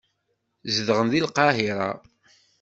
Zedɣen deg Lqahira.